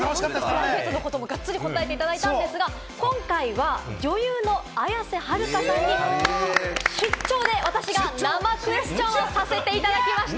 プライベートなこともがっつり答えていただいたんですが、今回は女優の綾瀬はるかさんに出張で私が生クエスチョンをさせていただきました。